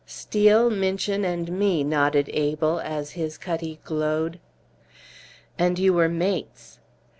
"Steel, Minchin, and me," nodded Abel, as his cutty glowed. "And you were mates!"